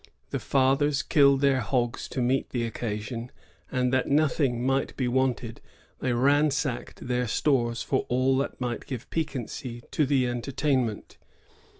The fathers killed their hogs to meet the occasion, and, that nothing might be wanting, they ransacked their stores for all that might give piquancy to the entertainment.